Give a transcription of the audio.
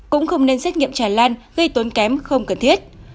cũng không nên xét nghiệm tràn lan gây tốn kém không cần thiết